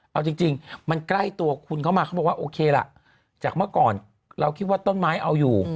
เอาจริงมันใกล้ตัวคุณเข้ามาเขาบอกว่าโอเคล่ะจากเมื่อก่อนเราคิดว่าต้นไม้เอาอยู่